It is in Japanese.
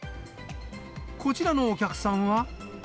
こちらのお客さんは。